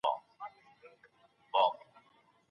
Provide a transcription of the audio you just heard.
دیني باورونه په ډېرو خلکو کې د مرګ وېره کموي.